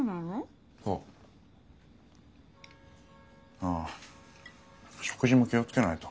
ああ食事も気をつけないと。